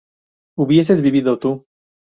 ¿hubieses vivido tú?